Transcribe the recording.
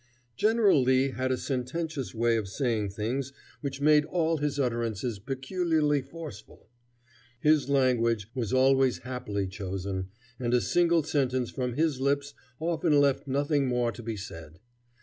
General Lee had a sententious way of saying things which made all his utterances peculiarly forceful. His language was always happily chosen, and a single sentence from his lips often left nothing more to be said.